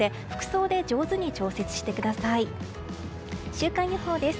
週間予報です。